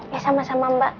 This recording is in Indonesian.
ya sama sama mbak